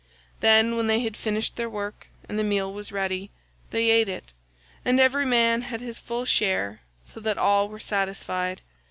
Then, when they had finished their work and the meal was ready, they ate it, and every man had his full share so that all were satisfied.